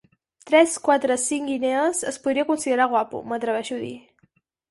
Tres, quatre, cinc guinees, es podria considerar guapo, m'atreveixo a dir.